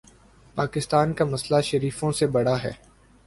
پاکستان کا مسئلہ شریفوں سے بڑا ہے۔